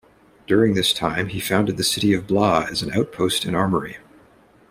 During this time he founded the city of Bla as an outpost and armory.